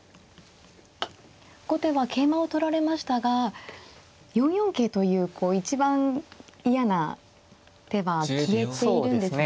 後手は桂馬を取られましたが４四桂というこう一番嫌な手は消えているんですね。